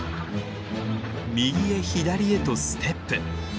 右へ左へとステップ。